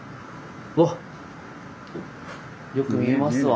よく見えますわ。